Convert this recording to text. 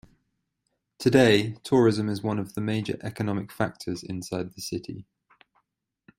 Today, tourism is one of the major economic factors inside the city.